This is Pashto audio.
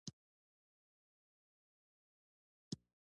پروژه یوه موقتي هڅه ده